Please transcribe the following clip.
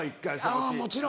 もちろん。